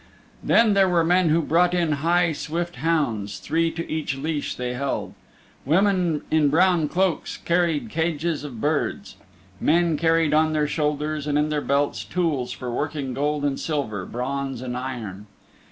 Then there were men who brought in high, swift hounds, three to each leash they held. Women in brown cloaks carried cages of birds. Men carried on their shoulders and in their belts tools for working gold and silver, bronze and iron.